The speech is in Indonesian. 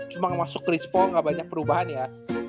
cuma masuk respawn gak banyak perubahan ya